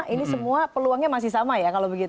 ini semua peluangnya masih sama ya